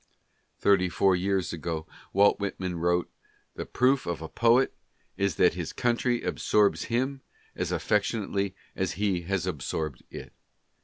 Thirty four years ago Walt Whitman wrote :" The proof of a poet is that his country absorbs him as affectionately as he has absorbed it."